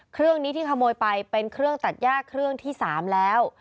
เครื่องนี้ที่ขโมยไปเป็นเครื่องตัดย่าเครื่องที่๓แล้ว